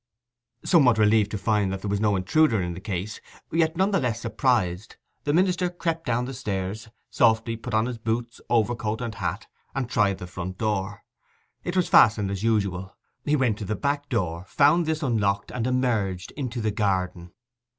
Somewhat relieved to find that there was no intruder in the case, yet none the less surprised, the minister crept down the stairs, softly put on his boots, overcoat, and hat, and tried the front door. It was fastened as usual: he went to the back door, found this unlocked, and emerged into the garden.